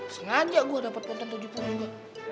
sengaja gue dapet konten tujuh puluh juga